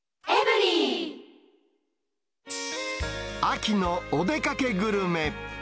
秋のお出かけグルメ。